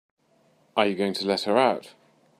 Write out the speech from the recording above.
Are you going to let her out?